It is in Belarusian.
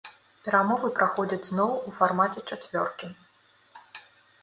Перамовы праходзяць зноў у фармаце чацвёркі.